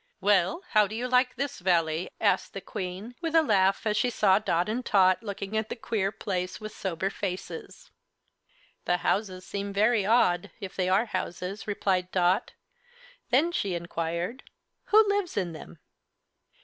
"Well, how do you like this Valley?" asked the Queen, with a laugh as she saw Dot and Tot looking at the queer place with sober faces. "The houses seem very odd if they are houses," replied Dot. Then she enquired: "Who lives in them?"